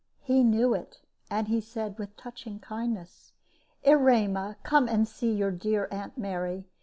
He knew it; and he said, with touching kindness, "Erema, come and see your dear aunt Mary.